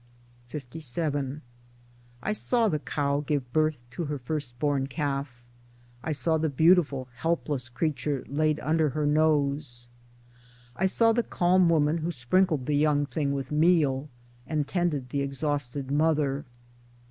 LVII I saw the cow give birth to her first born calf; I saw the beautiful helpless creature laid under her nose ; I saw the 92 Towards Democracy calm woman who sprinkled the young thing with meal and tended the exhausted mother.